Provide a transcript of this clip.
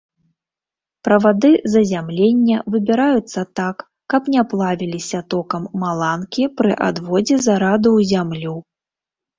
Правады зазямлення выбіраюцца так, каб не плавіліся токам маланкі пры адводзе зараду ў зямлю.